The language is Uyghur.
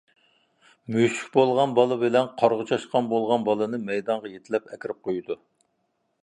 مۈشۈك بولغان بالا بىلەن قارىغۇ چاشقان بولغان بالىنى مەيدانغا يېتىلەپ ئەكىرىپ قويىدۇ.